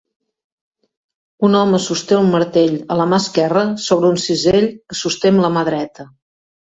Un home sosté un martell a la mà esquerra sobre un cisell que sosté amb la mà dreta